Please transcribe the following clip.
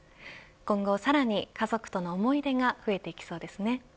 今後さらに、家族との思い出が増えていきそうですね。